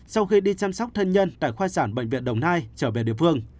sau khi đi chăm sóc thân nhân tại khoa sản bệnh viện đồng nai trở về địa phương